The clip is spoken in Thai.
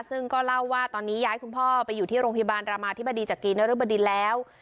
ซึ่งก็เล่าว่าตอนนี้ย้ายคุณพ่อไปอยู่ที่โรงพยาบาลรามาธิบดีจากกีนรบดินแล้ว